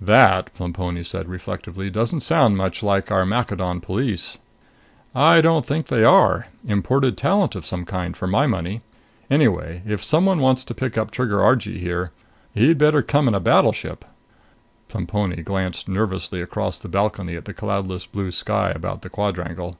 "That," Plemponi said reflectively, "doesn't sound much like our Maccadon police." "I don't think they are. Imported talent of some kind, for my money. Anyway, if someone wants to pick up Trigger Argee here, he'd better come in with a battleship." Plemponi glanced nervously across the balcony at the cloudless blue sky about the quadrangle.